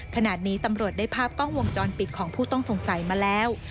ขณะนี้ตำรวจได้ภาพกล้องวงจรปิดของผู้ต้องสงสัยมาแล้ว